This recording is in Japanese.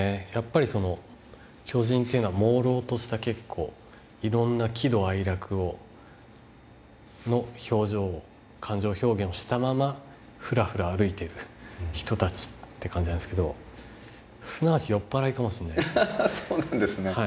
やっぱり巨人っていうのは朦朧としたいろんな喜怒哀楽をの表情を感情表現をしたままふらふら歩いてる人たちって感じなんですけどすなわち酔っ払いかもしれないですね。